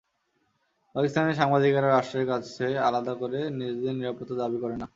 পাকিস্তানের সাংবাদিকেরা রাষ্ট্রের কাছে আলাদা করে নিজেদের নিরাপত্তা দাবি করেন না।